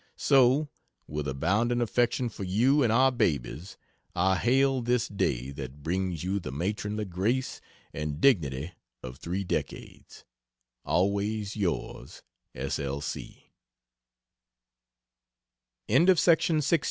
So, with abounding affection for you and our babies, I hail this day that brings you the matronly grace and dignity of three decades! Always Yours S. L.